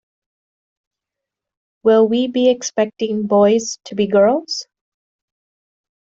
Will we be expecting boys to be girls?